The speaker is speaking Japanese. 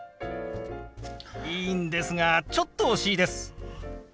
いいんですがちょっと惜しいです。